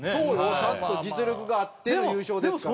ちゃんと実力があっての優勝ですから。